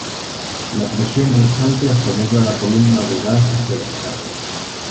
La presión restante acelera la columna de gas hacia el escape.